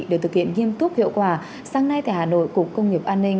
được thực hiện nghiêm túc hiệu quả sáng nay tại hà nội cục công nghiệp an ninh